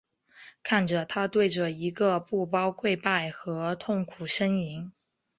看着他对着一个布包跪拜和痛苦呻吟。